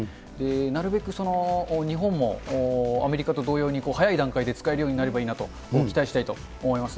なるべく日本もアメリカと同様に早い段階で使えるようになればいいなと、期待したいと思います。